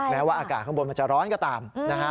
แม้ว่าอากาศข้างบนมันจะร้อนก็ตามนะฮะ